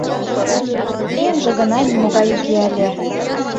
Эмже гына нимогай уке ыле.